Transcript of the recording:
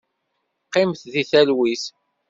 Qqimet deg talwit.